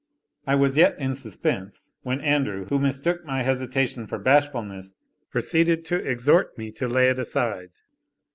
I was yet in suspense, when Andrew, who mistook my hesitation for bashfulness, proceeded to exhort me to lay it aside.